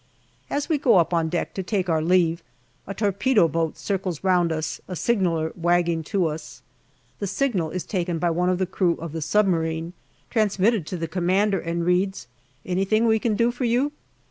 As we go up on deck to take our leave, a torpedo boat circles round us, a signaller wagging to us. The signal is taken by one of the crew of the submarine, transmitted to the commander, and reads, " Anything we can do for you